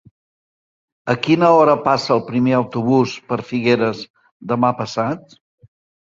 A quina hora passa el primer autobús per Figueres demà passat?